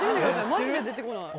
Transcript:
マジで出て来ない。